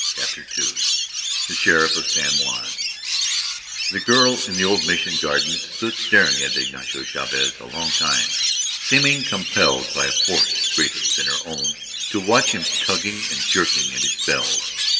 CHAPTER II THE SHERIFF OF SAN JUAN The girl in the old Mission garden stood staring at Ignacio Chavez a long time, seeming compelled by a force greater than her own to watch him tugging and jerking at his bells.